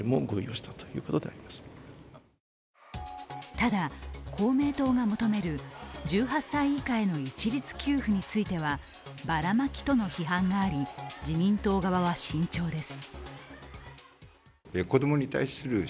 ただ、公明党が求める１８歳以下への一律給付についてはバラマキとの批判があり、自民党側は慎重です。